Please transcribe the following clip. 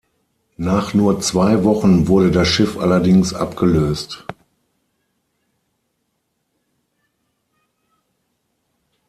Nach nur zwei Wochen wurde das Schiff allerdings abgelöst.